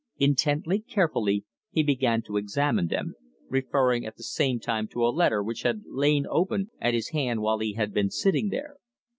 Intently, carefully, he began to examine them, referring at the same time to a letter which had lain open at his hand while he had been sitting there.